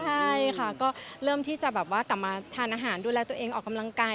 ใช่ค่ะก็เริ่มที่จะแบบว่ากลับมาทานอาหารดูแลตัวเองออกกำลังกาย